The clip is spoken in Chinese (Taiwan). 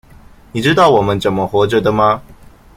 你知道我們怎麼活著的嗎？